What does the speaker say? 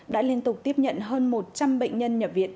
đã liên tục tiếp nhận hơn một trăm linh bệnh nhân nhập viện